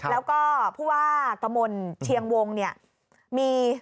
แล้วก็ภูวาตะมนต์เชียงวงมี